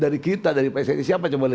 dari kita dari pssi siapa yang mencoba